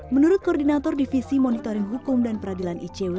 menurut koordinator divisi monitoring hukum dan peradilan icw